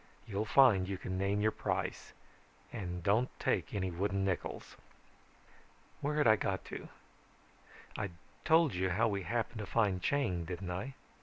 You'll find you can name your price and don't take any wooden nickels. "Where had I got to? I'd told you how we happened to find Chang, hadn't I?